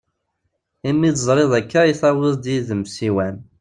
Imi tezriḍ akka i tawiḍ-d id-m ssiwan!